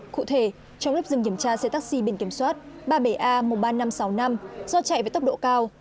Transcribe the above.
cụ thể trong lúc dừng kiểm tra xe taxi biển kiểm soát ba mươi bảy a một mươi ba nghìn năm trăm sáu mươi năm do chạy với tốc độ cao